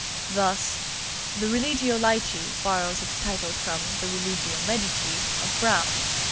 Thus: "The 'Religio Laici' borrows its title from the 'Religio Medici' of Browne.